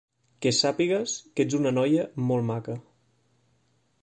Que sàpigues que ets una noia molt maca.